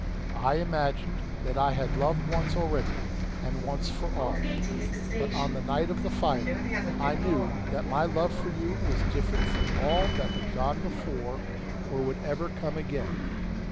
I imagined that I had loved once already and once for all. But on the night of the fire I knew that my love for you was different from all that had gone before or would ever come again.